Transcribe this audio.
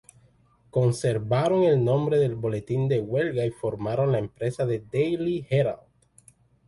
Conservaron el nombre del boletín de huelga y formaron la empresa del "Daily Herald".